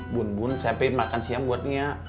bun bun saya pengen makan siang buat nia